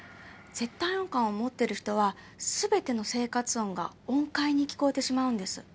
絶対音感を持ってる人は全ての生活音が音階に聞こえてしまうんです。